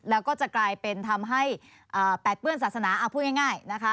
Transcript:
แล้วก็จะกลายเป็นทำให้แปดเปื้อนศาสนาพูดง่ายนะคะ